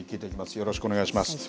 よろしくお願いします。